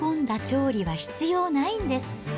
調理は必要ないんです。